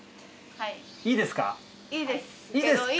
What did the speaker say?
いいですか？